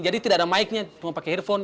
jadi tidak ada mic nya cuma pakai headphone